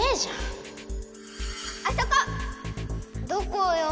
どこよ？